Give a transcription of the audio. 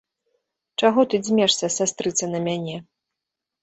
Чаго ты дзьмешся, сястрыца, на мяне!